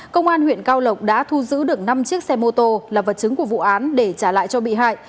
công an huyện cao lộc đã thu giữ được năm chiếc xe mô tô là vật chứng của vụ án để trả lại cho bị hại